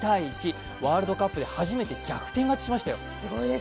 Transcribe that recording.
ワールドカップで初めて逆転勝ちしましたよ。